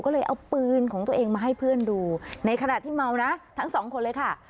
ก็เลยเอาปืนของตัวเองมาให้เพื่อนดูในขณะที่เมานะทั้งสองคนเลยค่ะ